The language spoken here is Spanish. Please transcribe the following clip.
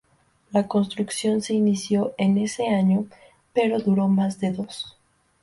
La construcción se inició en ese año, pero duró más de dos.